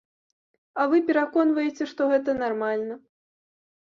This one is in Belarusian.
А вы пераконваеце, што гэта нармальна.